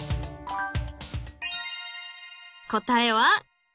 ［答えは］